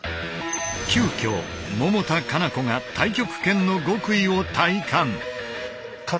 急きょ百田夏菜子が太極拳の極意を体感。